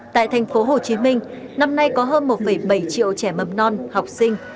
tại thành phố hồ chí minh năm nay có hơn một bảy triệu trẻ mầm non học sinh